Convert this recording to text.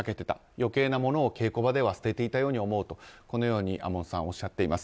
余計なものを稽古場では捨てていたように思うと亞門さんはおっしゃっています。